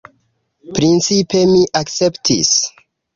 Principe mi akceptis.